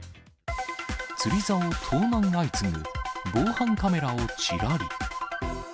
釣りざお盗難相次ぐ、防犯カメラをちらり。